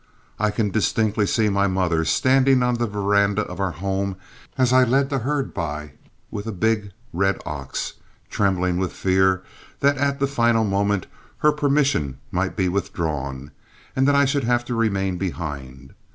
I can distinctly see my mother standing on the veranda of our home as I led the herd by with a big red ox, trembling with fear that at the final moment her permission might be withdrawn and that I should have to remain behind.